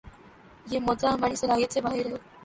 یہ معجزہ ہماری صلاحیت سے باہر ہے۔